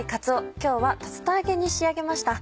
今日は竜田揚げに仕上げました。